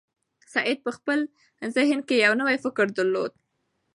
سعید په خپل ذهن کې یو نوی فکر درلود.